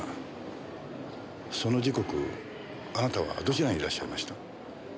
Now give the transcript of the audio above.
その時刻あなたはどちらにいらっしゃいました？